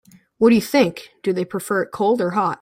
What do you think, do they prefer it cold or hot?